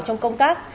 trong công tác